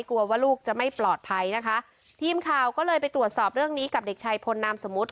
กลัวว่าลูกจะไม่ปลอดภัยนะคะทีมข่าวก็เลยไปตรวจสอบเรื่องนี้กับเด็กชายพลนามสมมุติ